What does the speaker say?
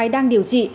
đang điều trị